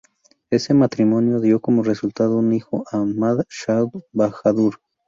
Ese matrimonio dio como resultado un hijo, Ahmad Shah Bahadur.